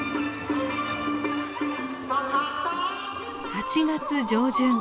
８月上旬。